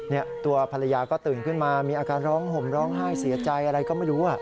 ตัวภรรยาก็ตื่นขึ้นมามีอาการร้องห่มร้องไห้เสียใจอะไรก็ไม่รู้